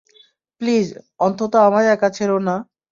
Please, অন্তত আমায় একা ছেড়ো না।